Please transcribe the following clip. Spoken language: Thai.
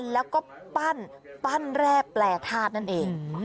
แล้วก็ปั้นแร่แปลธาตุนั่นเอง